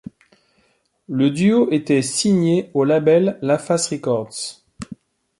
Le duo était signé au label LaFace Records.